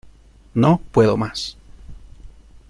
¡ No puedo más!